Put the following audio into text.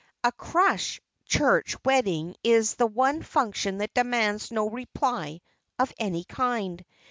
A "crush" church wedding is the one function that demands no reply of any kind.